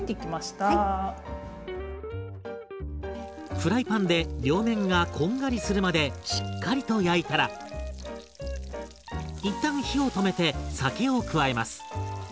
フライパンで両面がこんがりするまでしっかりと焼いたら一旦火を止めて酒を加えます。